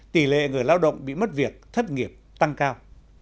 tỷ lệ người lao động bị mất việc thất nghiệp tăng cao